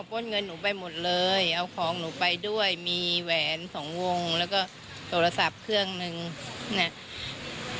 ป้นเงินหนูไปหมดเลยเอาของหนูไปด้วยมีแหวนสองวงแล้วก็โทรศัพท์เครื่องหนึ่งเนี่ย